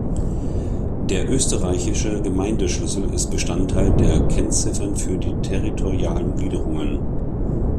Der "österreichische Gemeindeschlüssel" ist Bestandteil der "Kennziffern für die territorialen Gliederungen".